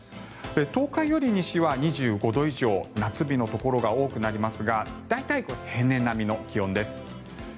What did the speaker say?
東海より西は２５度以上夏日のところが多くなりますが大体、平年並みの気温です。